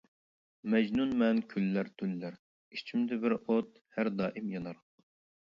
مەجنۇنمەن كۈنلەر، تۈنلەر، ئىچىمدە بىر ئوت، ھەر دائىم يانار.